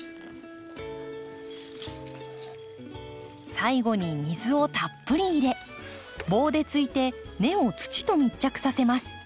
最後に水をたっぷり入れ棒で突いて根を土と密着させます。